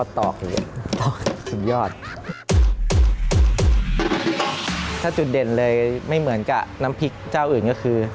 ถ้าจุดเด่นเลยไม่เหมือนกับน้ำพริกเจ้าอื่นก็คือ